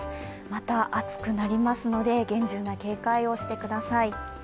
また暑くなりますので、厳重な警戒をしてください。